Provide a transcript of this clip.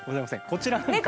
こちらは。